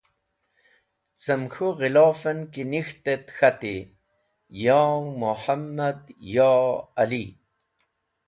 Cem k̃hũ ghilof en ki nik̃ht et k̃hati: Yo Muhammad Yo Ali!